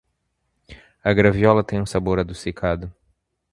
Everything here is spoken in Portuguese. A graviola tem um sabor adocicado.